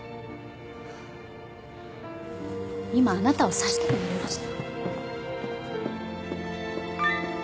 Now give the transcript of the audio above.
今あなたを刺したくなりました。